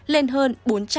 lên hơn bốn trăm ba mươi sáu